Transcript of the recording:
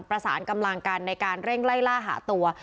ประสานกำลังกันในการเร่งไล่ล่าหาตัว